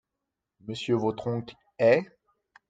Monsieur votre oncle est ?…